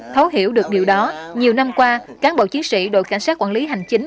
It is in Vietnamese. thấu hiểu được điều đó nhiều năm qua cán bộ chiến sĩ đội cảnh sát quản lý hành chính